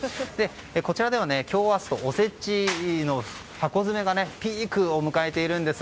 こちらでは今日、明日とおせちの箱詰めがピークを迎えているんです。